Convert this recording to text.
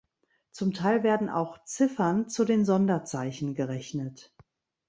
Zum Teil werden auch "Ziffern" zu den Sonderzeichen gerechnet.